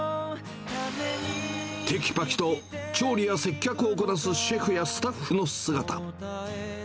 てきぱきと調理や接客をこなすシェフやスタッフの姿。